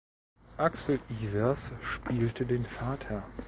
Axel Ivers spielte den Vater.